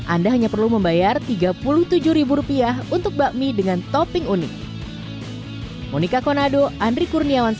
anda hanya perlu membayar tiga puluh tujuh untuk bakmi dengan topping unik